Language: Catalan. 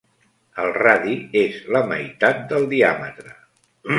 El radi és la meitat del diàmetre.